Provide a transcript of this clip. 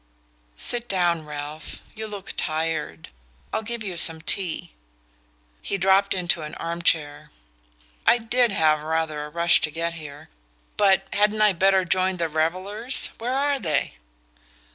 "Sit down, Ralph you look tired. I'll give you some tea." He dropped into an arm chair. "I did have rather a rush to get here but hadn't I better join the revellers? Where are they?"